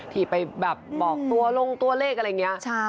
ที่ไปแบบบอกตัวลงตัวเลขอะไรอย่างนี้